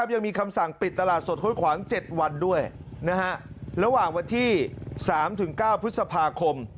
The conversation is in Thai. ยังมีคำสั่งปิดตลาดสดห้วยขวาง๗วันด้วยระหว่างวันที่๓๙พฤษภาคม